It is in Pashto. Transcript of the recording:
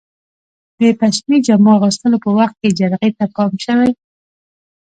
د پشمي جامو اغوستلو په وخت کې جرقې ته پام شوی؟